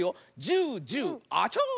ジュジュアチョー！